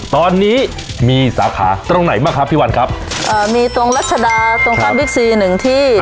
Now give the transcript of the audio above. ตอนนี้มีสาขาตรงไหนบ้างครับพี่วันครับเอ่อมีตรงรัชดาตรงข้ามบิ๊กซีหนึ่งที่